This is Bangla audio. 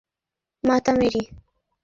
পুন্ডি মাতা মেরি।